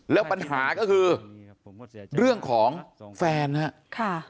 แล้วปัญหาก็คือเรื่องของแฟนนะครับ